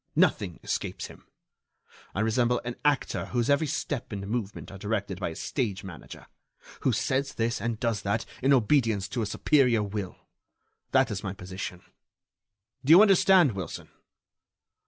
Nothing escapes him. I resemble an actor whose every step and movement are directed by a stage manager; who says this and does that in obedience to a superior will. That is my position. Do you understand, Wilson?"